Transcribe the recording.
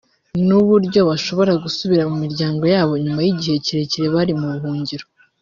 n’uburyo bashobora gusubira mu miryango yabo nyuma y’igihe kirekire bari mu buhungiro